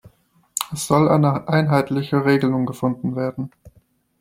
Es soll eine einheitliche Regelung gefunden werden.